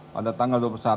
pada tanggal dua puluh satu